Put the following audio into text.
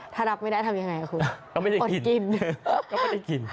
ถ้าถัดกินไม่ได้ทำไมไงครับคุณ